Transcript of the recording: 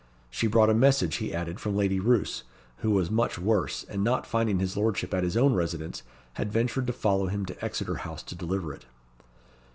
She brought a message, he added, from Lady Roos, who was much worse, and not finding his Lordship at his own residence had ventured to follow him to Exeter House to deliver it.